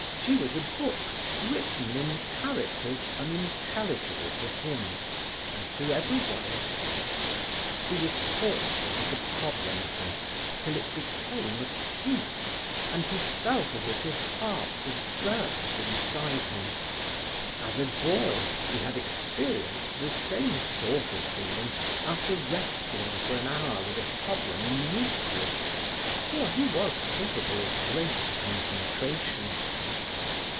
She was a book written in characters unintelligible to him and to everybody. He was tortured with the problem of her till it became acute, and he felt as if his heart would burst inside him. As a boy he had experienced the same sort of feeling after wrestling for an hour with a problem in Euclid, for he was capable of great concentration.